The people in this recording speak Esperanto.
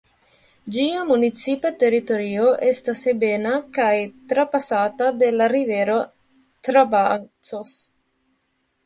Ĝia municipa teritorio estas ebena kaj trapasata de la rivero Trabancos.